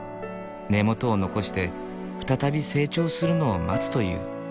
根元を残して再び成長するのを待つという。